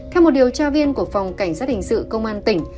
theo một điều tra viên của phòng cảnh sát hình sự công an tỉnh